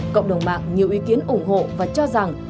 cộng đồng mạng nhiều ý kiến ủng hộ và cho rằng